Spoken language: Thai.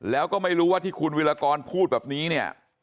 แล้วก็ไม่รู้ว่าที่คุณวิรากรพูดแบบนี้เนี่ย